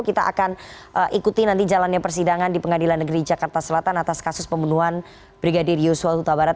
kita akan ikuti nanti jalannya persidangan di pengadilan negeri jakarta selatan atas kasus pembunuhan brigadir yosua huta barat